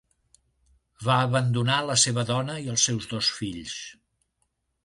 Va abandonar la seva dona i els seus dos fills.